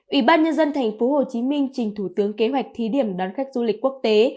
ủy ban nhân dân tp hcm trình thủ tướng kế hoạch thí điểm đón khách du lịch quốc tế